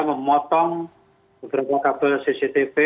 memotong beberapa kabel cctv